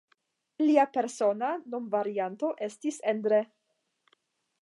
Lia persona nomvarianto estis "Endre".